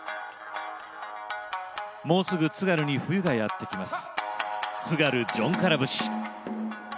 もうすぐ津軽に冬がやって来ます。